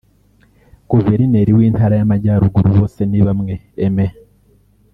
Guverineri w’Intara y’Amajyaruguru Bosenibamwe Aime